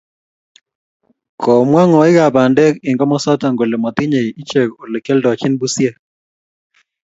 komwa ng'oikab bandek eng komosato kole motinyei ichek ole kioldochini busiek